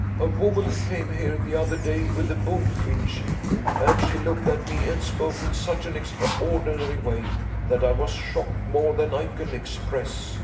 A woman came here the other day with the bullfinch, and she looked at me, and spoke in such an extraordinary way, that I was shocked more than I can express.